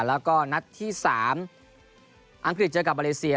แล้วก็นัดที่๓อังกฤษเจอกับมาเลเซีย